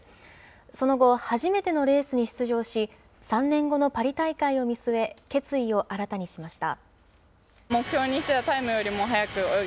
その後、初めてのレースに出場し、３年後のパリ大会を見据え、決意を新たにしました。